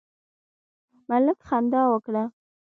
ملک خندا وکړه.